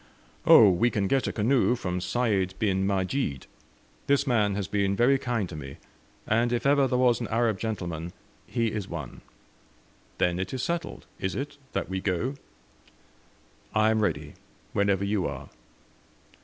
"Oh, we can get a canoe from Sayd bin Majid. This man has been very kind to me, and if ever there was an Arab gentleman, he is one." "Then it is settled, is it, that we go?" "I am ready, whenever you are."